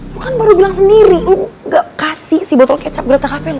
lo kan baru bilang sendiri lo gak kasih si botol kecap geratak hp lo